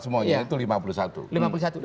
semuanya itu lima puluh satu